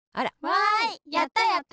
わいやったやった！